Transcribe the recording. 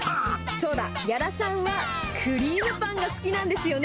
そうだ、屋良さんは、クリームパンが好きなんですよね？